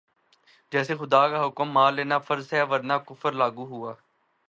جیسے خدا کا حکم مان لینا فرض ہے ورنہ کفر لاگو ہوا